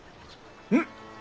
うん！